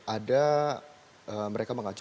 ada mereka mengacu